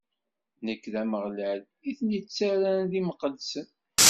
Nekk, d Ameɣlal, i ten-ittarran d imqeddsen.